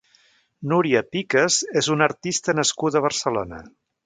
Núria Picas és una artista nascuda a Barcelona.